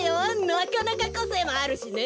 なかなかこせいもあるしね。